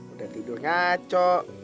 udah tidur ngaco